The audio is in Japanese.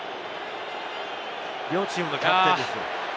両チームのキャプテンですよ。